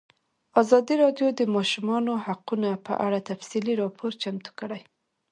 ازادي راډیو د د ماشومانو حقونه په اړه تفصیلي راپور چمتو کړی.